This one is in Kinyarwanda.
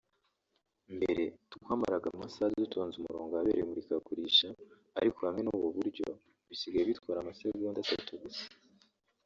Mbere twamaraga amasaha dutonze umurongo ahabera imurikagurisha ariko hamwe n’ubu buryo bisigaye bitwara amasegonda atatu gusa